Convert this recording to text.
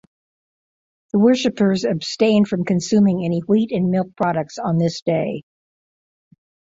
The worshipers abstain from consuming any wheat and milk products on this day.